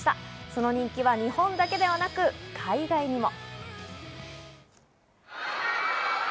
その人気は日本だけではなく海外にも。